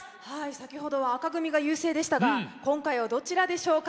先ほどは紅組が優勢でしたが今回はどちらでしょうか。